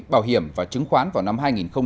bảo hiểm và chứng khoán vào năm hai nghìn hai mươi